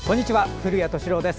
古谷敏郎です。